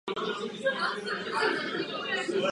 Důležité je zde také pozice autora.